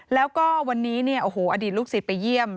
แล้วก็วันนี้อดีตลูกศิษย์ไปเยี่ยม